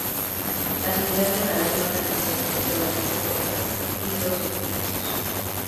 Las ideas de Galeno eran diferentes de las de Hipócrates y los egipcios.